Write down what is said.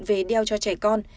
về đeo cho trẻ con